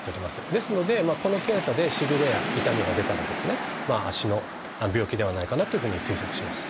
ですのでこの検査でしびれや痛みが出たら足の病気ではないかなというふうに推測します。